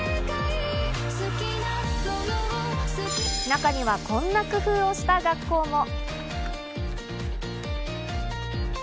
中にはこんな工夫をした学校も。